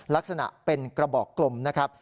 ลักษณะเป็นกระบอกกลมนะครับ